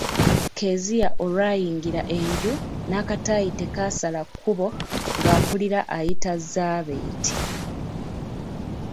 Kezia olwayingira enju n'akataayi tekaasala kkubo nga mpulira ayita Zabeeti.